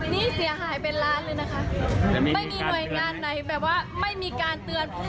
นี่เสียหายเป็นล้านเลยนะคะไม่มีหน่วยงานไหนแบบว่าไม่มีการเตือน